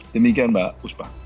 demikian mbak usman